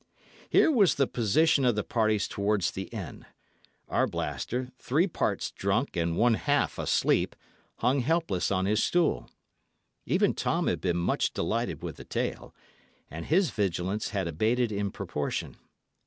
Here was the position of the parties towards the end: Arblaster, three parts drunk and one half asleep, hung helpless on his stool. Even Tom had been much delighted with the tale, and his vigilance had abated in proportion.